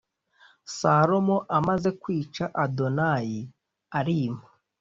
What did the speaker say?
Salomo amaze kwica Adonayi arima